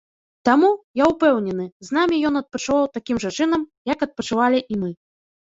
Таму, я ўпэўнены, з намі ён адпачываў такім жа чынам, як адпачывалі і мы.